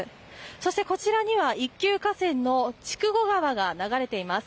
そしてこちらには一級河川の筑後川が流れています。